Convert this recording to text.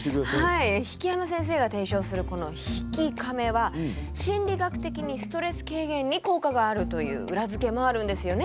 引山先生が提唱するこの「悲喜カメ」は心理学的にストレス軽減に効果があるという裏づけもあるんですよね？